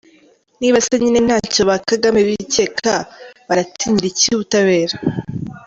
Niba se nyine ntacyo ba Kagame bikeka, baratinyira iki ubutabera!